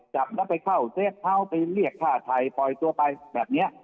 จับแล้วไปเข้าเซฟเฮาส์ไปเรียกฆ่าไทยปล่อยตัวไปแบบนี้